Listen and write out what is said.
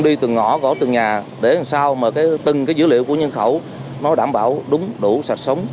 đi từng ngõ gõ từng nhà để làm sao mà từng cái dữ liệu của nhân khẩu nó đảm bảo đúng đủ sạch sống